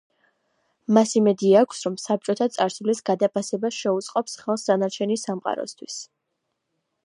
მას იმედი აქვს, რომ საბჭოთა წარსულის გადაფასებას შეუწყობს ხელს დანარჩენი სამყაროსთვის.